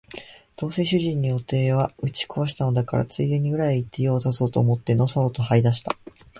どうせ主人の予定は打ち壊したのだから、ついでに裏へ行って用を足そうと思ってのそのそ這い出した